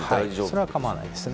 それは構わないですね。